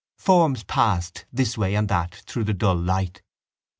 Forms passed this way and that through the dull light.